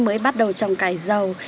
mới bắt đầu trồng cải giàu